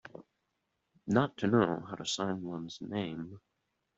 Not to know how to sign one's name.